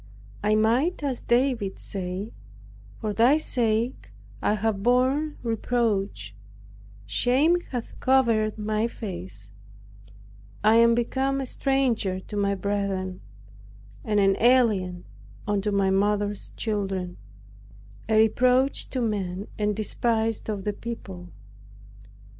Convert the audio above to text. I might as David say, "For thy sake I have borne reproach; shame hath covered my face; I am become a stranger to my brethren, and an alien unto my mother's children; a reproach to men, and despised of the people."